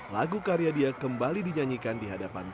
lagu karya dia kembali dinyanyikan di hadapan